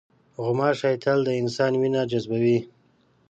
غوماشې تل د انسان وینه جذبوي.